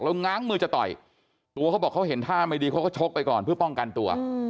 แล้วง้างมือจะต่อยตัวเขาบอกเขาเห็นท่าไม่ดีเขาก็ชกไปก่อนเพื่อป้องกันตัว